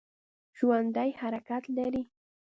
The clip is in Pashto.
ژوندي حرکت لري